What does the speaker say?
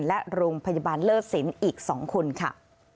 และโรงพยาบาลเลิศสินอีก๒คนค่ะ